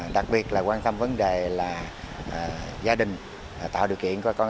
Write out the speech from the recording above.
đặc biệt là quan tâm vấn đề là gia đình tạo điều kiện cho con